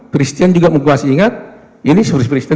christian juga masih ingat ini